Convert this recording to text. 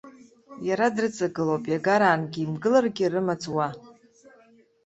Иара дрыҵагылоуп, иагараангьы имгыларгьы рымаҵ уа.